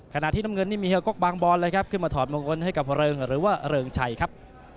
ขณะที่น้ำเงินนี่มีเฮีก๊อกบางบอนเลยครับขึ้นมาถอดมงคลให้กับเริงหรือว่าเริงชัยครับ